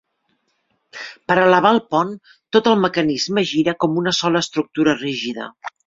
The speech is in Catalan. Per elevar el pont, tot el mecanisme gira com una sola estructura rígida.